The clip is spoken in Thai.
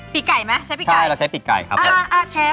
ปีกไก่ไหมใช้ปีกไก่ใช้ปีกไก่ครับผมอ่าเชฟ